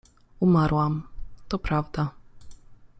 — Umarłam… to prawda.